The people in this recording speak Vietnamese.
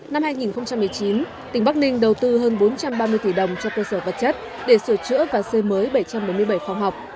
năm hai nghìn một mươi chín tỉnh bắc ninh đầu tư hơn bốn trăm ba mươi tỷ đồng cho cơ sở vật chất để sửa chữa và xây mới bảy trăm bốn mươi bảy phòng học